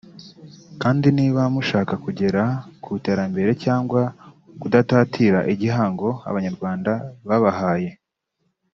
kandi niba mushaka kugera ku iterambere cyangwa kudatatira igihango Abanyarwanda babahaye